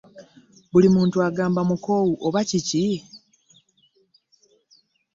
Buli muntu agamba mukoowu oba kiki!